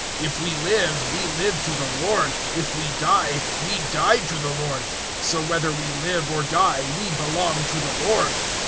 014:008 If we live, we live to the Lord: if we die, we die to the Lord. So whether we live or die, we belong to the Lord.